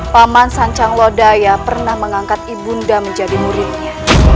paman sancang lodaya pernah mengangkat ibu nda menjadi muridnya